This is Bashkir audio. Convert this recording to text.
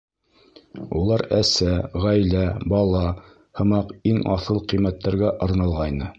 Улар әсә, ғаилә, бала һымаҡ иң аҫыл ҡиммәттәргә арналғайны.